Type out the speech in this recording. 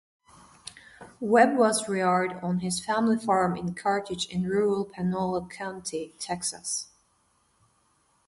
Webb was reared on his family farm in Carthage in rural Panola County, Texas.